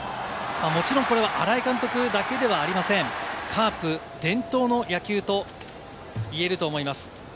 もちろんこれは新井監督だけではありません、カープ伝統の野球と言えると思います。